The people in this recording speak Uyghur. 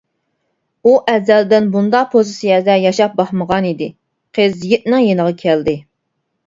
ئۇ ئەزەلدىن بۇنداق پوزىتسىيەدە ياشاپ باقمىغانىدى. قىز يىگىتنىڭ يېنىغا كەلدى.